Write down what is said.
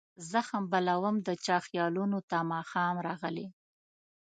زخم بلوم د چا خیالونو ته ماښام راغلي